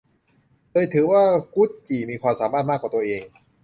โดยถือว่ากุดจี่มีความสามารถมากกว่าตัวเอง